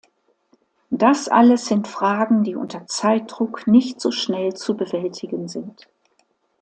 Das alles sind Fragen, die unter Zeitdruck nicht so schnell zu bewältigen sind.